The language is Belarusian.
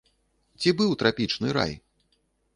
Ці быў трапічны рай?